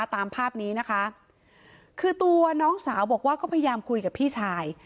ตามภาพนี้นะคะคือตัวน้องสาวบอกว่าก็พยายามคุยกับพี่ชาย